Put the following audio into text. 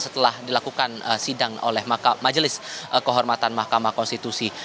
setelah dilakukan sidang oleh majelis kehormatan mahkamah konstitusi